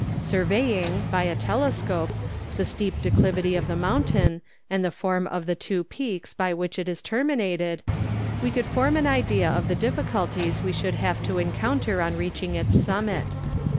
Surveying, by a tele¬ scope, the steep declivity of the mountain, and the form of the two peaks by which it is terminated, we could form an idea of the difficulties we should have to encounter on reaching its summit.